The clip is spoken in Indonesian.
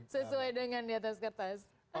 sesuai dengan di atas kertas